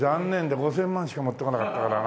５０００万しか持ってこなかったからな。